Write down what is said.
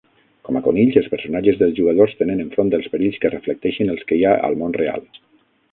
Com a conills, els personatges dels jugadors tenen enfront dels perills que reflecteixen els que hi ha al món real.